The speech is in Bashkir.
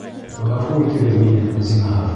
Ғәфү итегеҙ мине, зинһар.